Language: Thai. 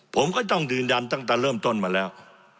ผมก็ต้องยืนยันตั้งแต่เริ่มต้นมาแล้ว